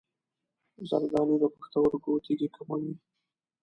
زردآلو د پښتورګو تیږې کموي.